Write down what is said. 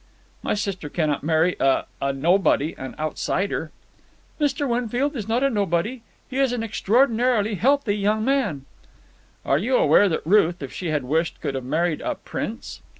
"My sister cannot marry a—a nobody, an outsider——" "Mr. Winfield is not a nobody. He is an extraordinarily healthy young man." "Are you aware that Ruth, if she had wished, could have married a prince?"